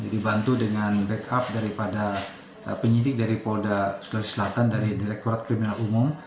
dibantu dengan backup daripada penyidik dari polda sulawesi selatan dari direktorat kriminal umum